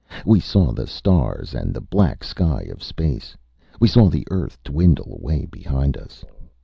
We saw the stars and the black sky of space. We saw the Earth dwindle away behind us.